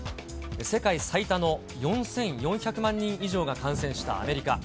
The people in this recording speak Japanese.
世界最多の４４００万人以上が感染したアメリカ。